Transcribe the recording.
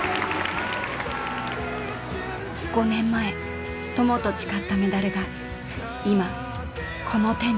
５年前“戦友”と誓ったメダルが今この手に。